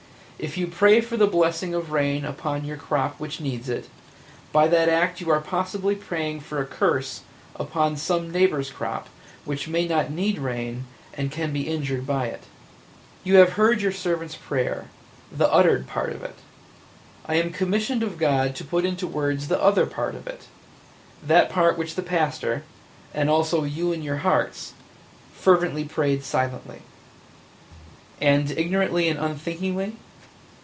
If you pray for the blessing of rain upon your crop which needs it, by that act you are possibly praying for a curse upon some neighbor's crop which may not need rain and can be injured by it. "You have heard your servant's prayer – the uttered part of it. I am commissioned of God to put into words the other part of it – that part which the pastor – and also you in your hearts – fervently prayed silently. And ignorantly and unthinkingly?